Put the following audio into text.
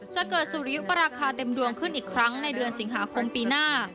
จะเกิดสุริยุปราคาเต็มดวงขึ้นอีกครั้งในเดือนสิงหาคมปีหน้า